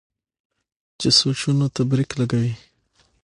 چې سوچونو ته برېک لګوي